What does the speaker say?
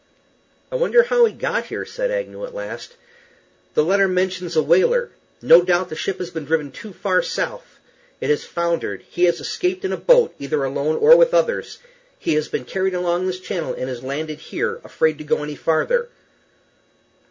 "I wonder how he got here?" said Agnew, at last. "The letter mentions a whaler. No doubt the ship has been driven too far south; it has foundered; he has escaped in a boat, either alone or with others; he has been carried along this channel, and has landed here, afraid to go any farther."